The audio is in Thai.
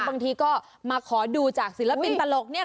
บางทีก็มาขอดูจากศิลปินตลกเนี่ย